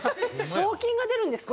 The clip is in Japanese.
賞金が出るんですか？